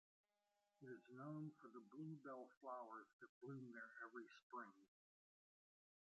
It is known for the bluebell flowers that bloom there every spring.